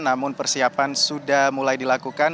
namun persiapan sudah mulai dilakukan